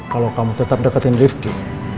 kalau kamu tetap deketin lifty